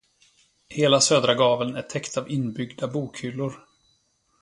Hela södra gaveln är täckt av inbyggda bokhyllor.